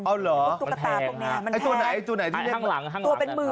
เอ้าเหรอมันแพงนะไอ้ตัวไหนที่เนี่ยตัวเป็นหมื่นนะห้างหลังนะครับ